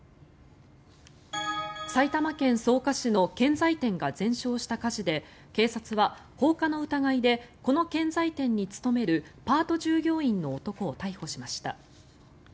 埼玉県草加市の建材店が全焼した火事で警察は放火の疑いでこの建材店に勤めるパート従業員の男を逮捕しました。